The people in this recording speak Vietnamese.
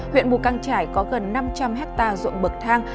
huyện mù căng trải có gần năm trăm linh hectare ruộng bậc thang